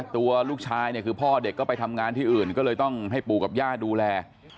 ตัวลูกชายเนี่ยคือพ่อเด็กก็ไปทำงานที่อื่นก็เลยต้องให้ปู่กับย่าดูแล